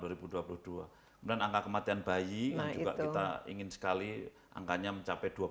kemudian angka kematian bayi yang juga kita ingin sekali angkanya mencapai dua belas perseratus ribu